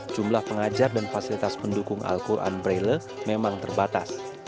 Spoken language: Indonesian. jumlah pengajar dan fasilitas pendukung al quran braille memang terbatas